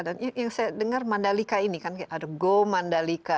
dan yang saya dengar mandalika ini kan ada go mandalika